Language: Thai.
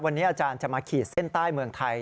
วันนี้อาจารย์จะมาขีดเส้นใต้เมืองไทย